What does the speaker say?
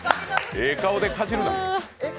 ええ顔でかじるな。